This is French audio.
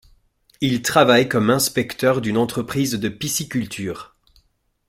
Il travaille comme inspecteur d'une entreprise de pisciculture.